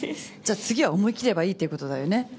次は思い切ればいいということだよね。